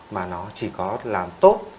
mà nó chỉ có làm tốt